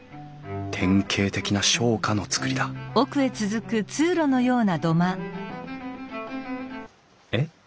典型的な商家の造りだえっ？